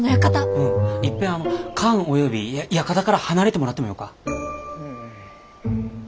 うんいっぺんあの館および館から離れてもらってもよか？